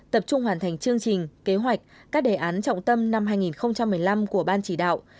tập trung hoàn thành chương trình kế hoạch các đề án trọng tâm năm hai nghìn một mươi năm của ban chỉ đạo